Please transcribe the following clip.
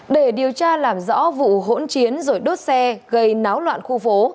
để điều tra làm rõ vụ hỗn chiến rồi đốt xe gây náo loạn khu phố